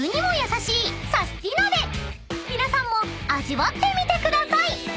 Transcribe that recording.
［皆さんも味わってみてください］